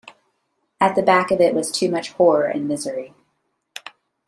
At the back of it was too much horror and misery.